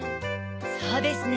そうですね。